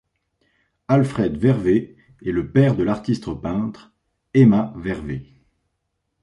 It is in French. Alfred Verwée est le père de l'artiste peintre Emma Verwée.